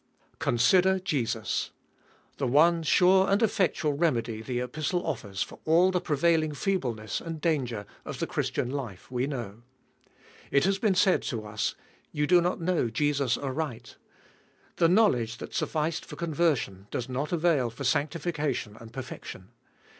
Consider Jesus. The one sure and effectual remedy the Epistle offers for all the prevailing feebleness and danger of the Christian life, we know. It has been said to us, You do not know Jesus aright. The knowledge that sufficed for conver sion, does not avail for sanctification and perfection.